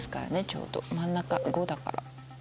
ちょうど真ん中５だから。